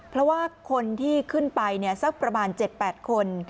เพราะว่าคนที่ขึ้นไปเนี้ยสักประมาณเจ็ดแปดคน